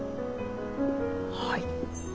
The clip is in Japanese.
はい。